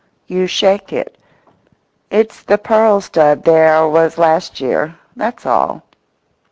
You shake it; it's the pearl stud there was last year—that's all.